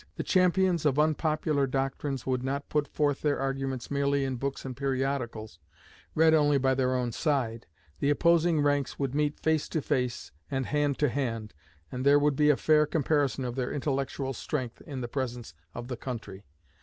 The champions of unpopular doctrines would not put forth their arguments merely in books and periodicals, read only by their own side; the opposing ranks would meet face to face and hand to hand, and there would be a fair comparison of their intellectual strength in the presence of the country.